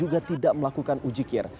sehingga tidak melakukan ujikir